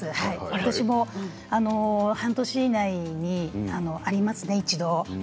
私も半年以内にありますね一度。